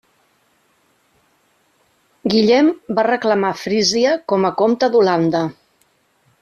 Guillem va reclamar Frísia com a comte d'Holanda.